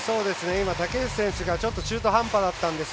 今、竹内選手がちょっと中途半端だったんです。